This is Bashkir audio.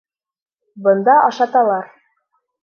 Бында ашаталар.